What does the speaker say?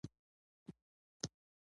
که دې زما پيسې را نه کړې؛ پوست دې کاږم.